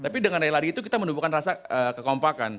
tapi menurut saya menubuhkan rasa kekompakan